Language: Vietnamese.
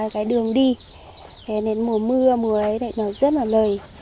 cái đường đi đến mùa mưa mùa ấy thì nó rất là lời